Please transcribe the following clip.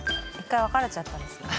１回別れちゃったんですかね。